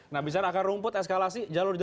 nah bisa akar rumput eskalasi jalur jalur seperti apa